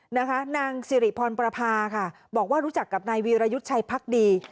นางสิริพรประพาค่ะบอกว่ารู้จักกับนายวีรยุทธ์ชัยพักดี